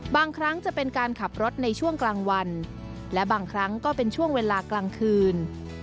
ครั้งจะเป็นการขับรถในช่วงกลางวันและบางครั้งก็เป็นช่วงเวลากลางคืน